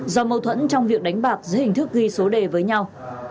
do mâu thuẫn trong việc đánh bạc dưới hình thức ghi số đề với nhau